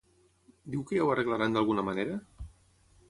Diu que ja ho arreglaran d'alguna manera?